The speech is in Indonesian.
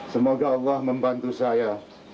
semoga allah membantu saya